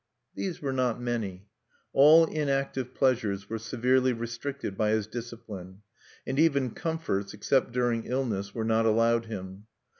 These were not many. All inactive pleasures were severely restricted by his discipline; and even comforts, except during illness, were not allowed him.